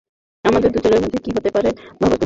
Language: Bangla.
আমাদের দুজনের মধ্যে কি হতে পারে ভাবো তুমি?